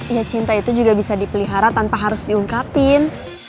ya cinta itu juga bisa dipelihara tanpa harus diungkapin